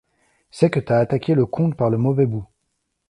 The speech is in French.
c'est que t'as attaqué le conte par le mauvais bout.